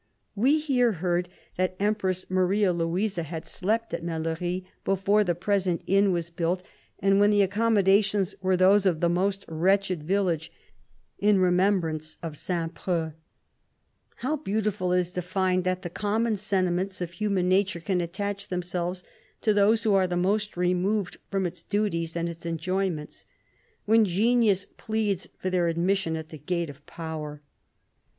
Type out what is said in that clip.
We here heard that the Empress Maria Louisa had slept at Mellerie, 118 before the present inn was built, and when the accommodations were those of the most wretched village, in re membrance of St. Preux. How beau tiful it is to find that the common sentiments of human nature can attach themselves to those who are the most removed from its duties and its enjoy ments, when Genius pleads for their admission at the gate of Power.